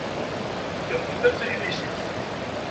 Ur tfehhmemt akk tanglizit.